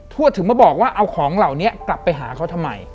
วดถึงมาบอกว่าเอาของเหล่านี้กลับไปหาเขาทำไม